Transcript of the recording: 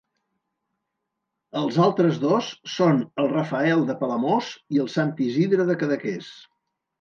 Els altres dos són el Rafael de Palamós i el Sant Isidre de Cadaqués.